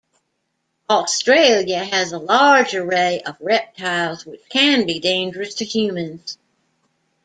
Australia has a large array of reptiles which can be dangerous to humans.